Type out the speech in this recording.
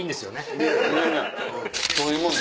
全然そういうもん。